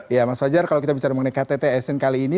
ya mas fajar kalau kita bicara mengenai ktt asn kali ini